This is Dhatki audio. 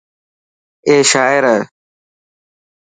اي شاعر هي.